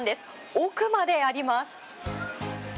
奥まであります。